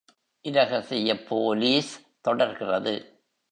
இரகசியப் police தொடர்கிறது.